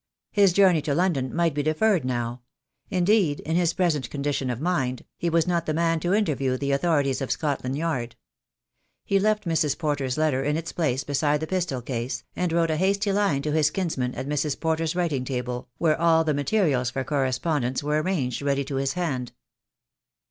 His journey to Lon don might be deferred now; indeed, in his present con dition of mind, he was not the man to interview the authorities of Scotland Yard. He left Mrs. Porter's letter in its place beside the pistol case, and wrote a hasty line to his kinsman at Mrs. Porter's writing table, where all the materials for correspondence were arranged ready to his hand.